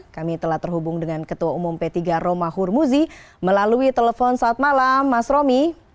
kami telah terhubung dengan ketua umum p tiga roma hurmuzi melalui telepon saat malam mas romi